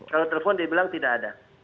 kalau telepon dia bilang tidak ada